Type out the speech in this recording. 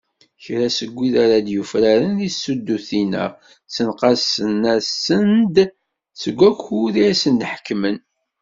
Kra seg wid ara d-yufraren deg tsuddutin-a, ssenqasen-asen-d seg wakud i asen-ḥekmen.